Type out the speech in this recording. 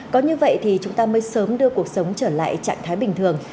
có như vậy thì chúng ta mới sớm đưa cuộc sống trở lại trạng thái bình thường